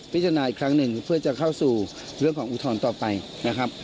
อีกครั้งหนึ่งเพื่อจะเข้าสู่เรื่องของอุทธรณ์ต่อไปนะครับ